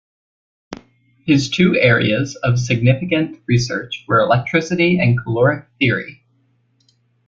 His two areas of significant research were electricity and caloric theory.